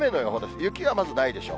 雪はまずないでしょう。